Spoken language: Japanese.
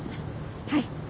はい。